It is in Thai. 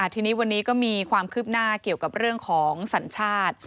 ทีนี้วันนี้ก็มีความคืบหน้าเกี่ยวกับเรื่องของสัญชาติ